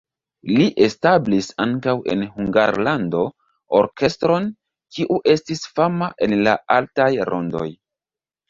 Li establis ankaŭ en Hungarlando orkestron, kiu estis fama en la altaj rondoj.